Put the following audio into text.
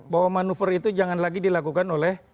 bahwa manuver itu jangan lagi dilakukan oleh